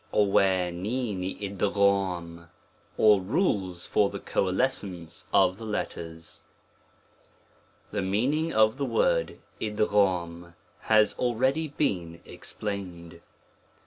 III. Or Rules for the coalescence of the letters,, * o THE meaning of the word ^ U ^ f has already' been explained.